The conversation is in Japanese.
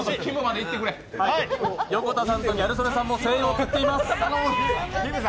横田さんとギャル曽根さんも声援を送っています。